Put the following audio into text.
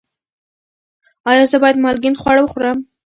ایا زه باید مالګین خواړه وخورم؟